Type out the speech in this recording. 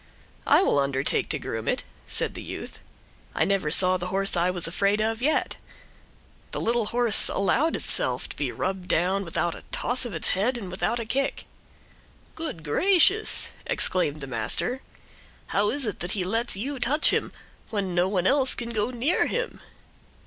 "I will undertake to groom it," said the youth. "I never saw the horse I was afraid of yet." The little horse allowed itself to be rubbed down without a toss of its head and without a kick. "Good gracious!" exclaimed the master. "How is it that he lets you touch him when no one else can go near him?"